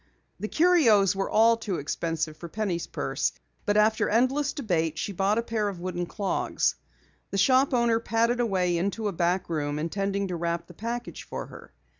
The curios were all too expensive for Penny's purse, but after endless debate she bought a pair of wooden clogs. The shop owner padded away into a back room, intending to wrap the package for her.